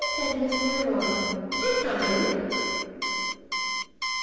said Miss Milroy. "Do come in!"